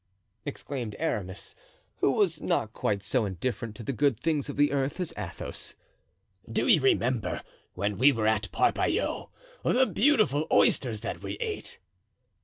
exclaimed Aramis, who was not quite so indifferent to the good things of the earth as Athos, "do you remember, when we were at Parpaillot, the beautiful oysters that we ate?"